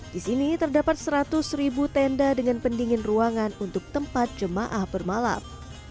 di sini terdapat seratus ribu tenda dengan pendingin ruangan untuk tempat jemaah bermalam